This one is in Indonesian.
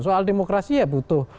soal demokrasi ya butuh